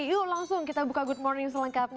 yuk langsung kita buka good morning selengkapnya